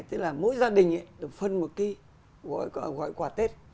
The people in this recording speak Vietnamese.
tức là mỗi gia đình được phân một cái gói quả tết